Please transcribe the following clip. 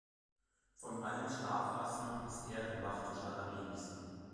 Von allen Schlafphasen ist er dem Wachzustand am ähnlichsten.